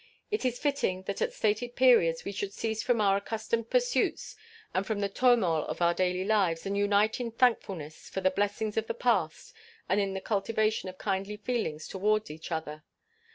It is fitting that at stated periods we should cease from our accustomed pursuits and from the turmoil of our daily lives and unite in thankfulness for the blessings of the past and in the cultivation of kindly feelings toward each other.